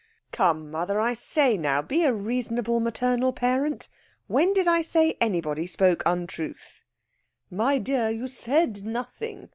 "Come, mother, I say, now! Be a reasonable maternal parent. When did I say anybody spoke untruth?" "My dear, you said nothing.